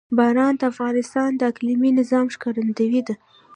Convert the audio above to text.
باران د افغانستان د اقلیمي نظام ښکارندوی ده.